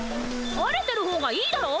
晴れてる方がいいだろ！